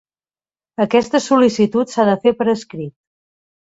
Aquesta sol·licitud s'ha de fer per escrit.